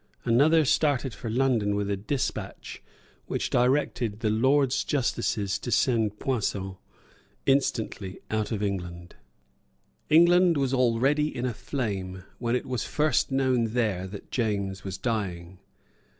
Another started for London with a despatch which directed the Lords Justices to send Poussin instantly out of England. England was already in a flame when it was first known there that James was dying.